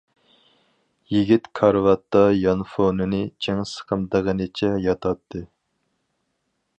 يىگىت كارىۋاتتا يانفونىنى چىڭ سىقىمدىغىنىچە ياتاتتى.